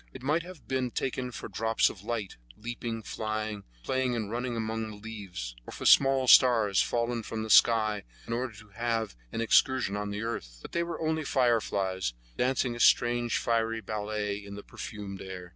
It might have been taken for drops of light, leaping, flying, playing and running among the leaves, or for small stars fallen from the skies in order to have an excursion on the earth; but they were only fireflies dancing a strange fiery ballet in the perfumed air.